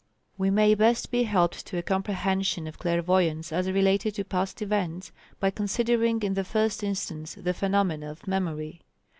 We may best be helped to a comprehension of clairvoyance as related to past events, by considering in the first instance the phenomena of memory.